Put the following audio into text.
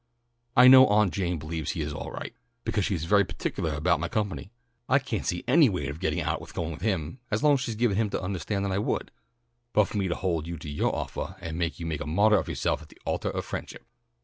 I know Aunt Jane believes he is all right, because she is very particulah about my company. I can't see any way to get out of going with him as long as she's given him to undahstand that I would, but for me to hold you to yoah offah and make you make a martyr of yoahself on the altah of friendship."